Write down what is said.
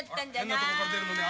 変なとこから出るのね